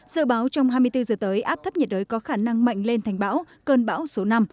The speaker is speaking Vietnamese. dự báo trong hai mươi bốn giờ tới áp thấp nhiệt đới có khả năng mạnh lên thành bão cơn bão số năm